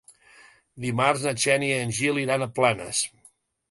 Dimarts na Xènia i en Gil iran a Planes.